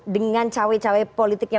dengan cawe cawe politiknya